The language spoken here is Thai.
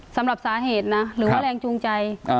สำหรับสาเหตุนะหรือว่าแรงจูงใจ